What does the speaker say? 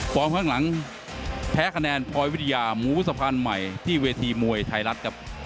ข้างหลังแพ้คะแนนพลอยวิทยาหมูสะพานใหม่ที่เวทีมวยไทยรัฐครับ